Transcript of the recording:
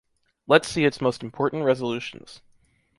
Let’s see its most important resolutions.